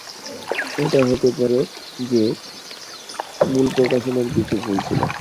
এটা হতে পারে যে, মূল প্রকাশনায় কিছু ভুল ছিল।